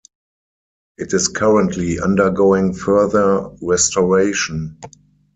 It is currently undergoing further restoration.